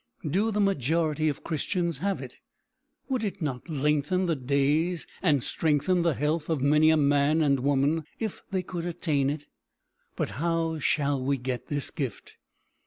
Do the majority of Christians have it? Would it not lengthen the days and strengthen the health of many a man and woman if they could attain it? But how shall we get this gift?